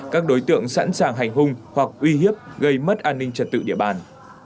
các đối tượng sẵn sàng hành hung hoặc uy hiếp gây mất an ninh trật tự địa bàn